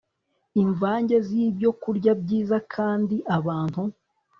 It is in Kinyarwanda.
imvange zibyokurya byiza kandi abantu